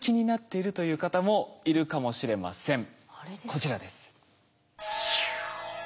こちらです。